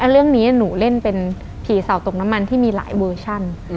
เรื่องนี้หนูเล่นเป็นผีเสาตกน้ำมันที่มีหลายเวอร์ชัน